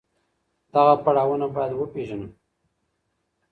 دغه پړاوونه بايد وپېژنو.